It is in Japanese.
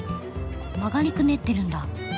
曲がりくねってるんだ。